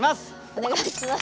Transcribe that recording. お願いします。